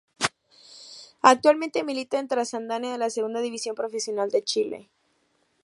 Actualmente milita en Trasandino de la Segunda División Profesional de Chile.